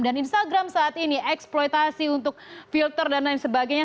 dan instagram saat ini eksploitasi untuk filter dan lain sebagainya